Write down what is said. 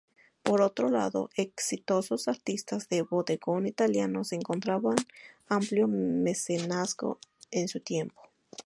Por otro lado, exitosos artistas de bodegón italianos encontraron amplio mecenazgo en su tiempo.